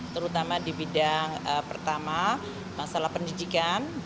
terutama di bidang pertama masalah pendidikan